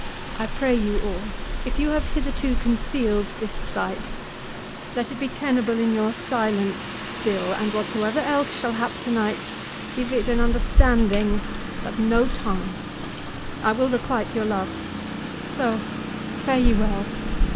I pray you all, If you have hitherto conceal'd this sight, Let it be tenable in your silence still; And whatsoever else shall hap tonight, Give it an understanding, but no tongue. I will requite your loves. So, fare ye well.